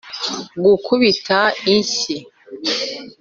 gukubita inshyi.